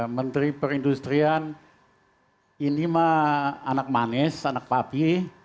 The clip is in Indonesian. menteri perindustrian ini mah anak manis anak papi